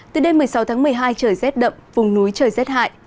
từ đêm một mươi sáu tháng một mươi hai trời rét đậm vùng núi trời rét hại